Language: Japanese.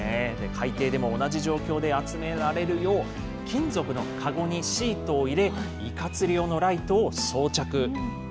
海底でも同じ状況で集められるよう、金属の籠にシートを入れ、イカ釣り用のライトを装着。